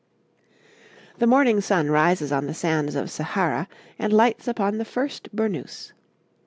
The morning sun rises on the sands of Sahara and lights upon the first burnoose.